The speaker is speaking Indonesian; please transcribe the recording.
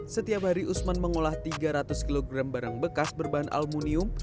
setiap hari usman mengolah tiga ratus kg barang bekas berbahan aluminium